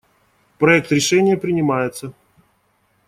Проект решения принимается.